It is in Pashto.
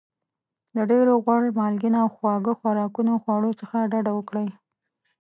د ډېر غوړ مالګېنه او خواږه خوراکونو خواړو څخه ډاډه وکړئ.